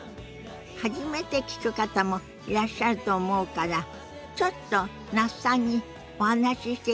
初めて聞く方もいらっしゃると思うからちょっと那須さんにお話ししていただきましょ。